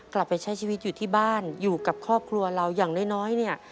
กลับไปใช้ชีวิตอยู่ที่บ้านอยู่กับครอบครัวเราอย่างน้อยเนี่ย